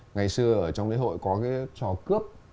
ngày xưa ở trong lễ hội có cái trò cướp